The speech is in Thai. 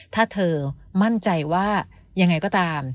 ถ้าเธอมั่นใจว่ายังไงก็ตาม